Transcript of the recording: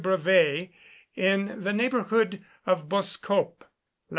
Brevais in the neighbourhood of Bosekop, lat.